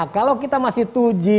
kalau kita masih dua g